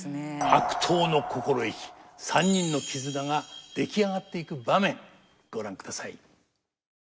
悪党の心意気三人の絆が出来上がっていく場面ご覧ください。